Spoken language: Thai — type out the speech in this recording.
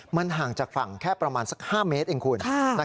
มันห่างจากฝั่งแค่ประมาณสัก๕เมตรเองคุณ